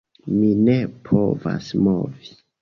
Mi ne povas movi.